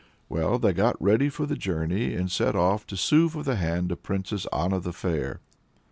Well, they got ready for the journey and set off to sue for the hand of the Princess Anna the Fair.